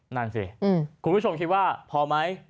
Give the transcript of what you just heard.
นั่นสิคุณผู้ชมคิดว่าพอไหม